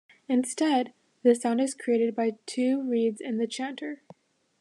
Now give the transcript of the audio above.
Instead, the sound is created by two reeds in the chanter.